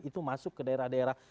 itu masuk ke daerah daerah